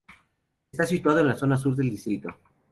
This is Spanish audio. Está situado en zona sur del distrito.